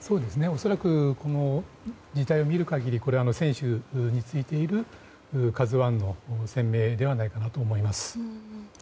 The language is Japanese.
恐らく字体を見る限り船首についている「ＫＡＺＵ１」の船名ではないかなと思います。